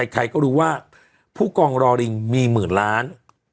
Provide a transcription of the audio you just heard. ใครก็รู้ว่าผู้กองรอลิงมีหมื่นล้าน